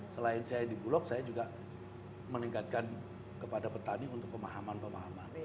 selain saya di bulog saya juga meningkatkan kepada petani untuk pemahaman pemahaman